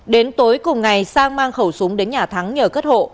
đến tối cùng ngày sang mang khẩu súng đến nhà thắng nhờ cất hộ